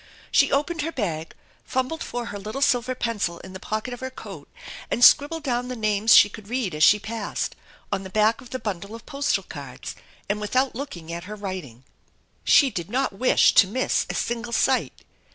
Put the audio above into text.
She opened her bag, fumbJed for her little silver pencil in the pocket of her coat and scribbled down the names he could read as she passed, on the back of the bundle o" 249 THE ENCHANTED BARN postal cards, and without looking at her writing. She did not wish to miss a single sight.